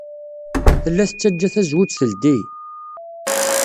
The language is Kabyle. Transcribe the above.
Tella tettajja tazewwut teldey.